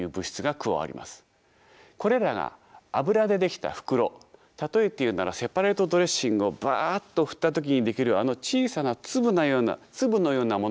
これらが油で出来た袋例えて言うならセパレートドレッシングをバッと振った時に出来るあの小さな粒のようなものに覆われます。